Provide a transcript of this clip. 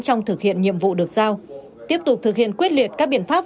trong thực hiện nhiệm vụ được giao tiếp tục thực hiện quyết liệt các biện pháp